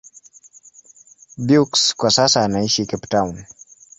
Beukes kwa sasa anaishi Cape Town.